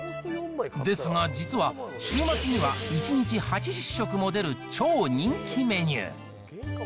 ですが、実は週末には１日８０食も出る超人気メニュー。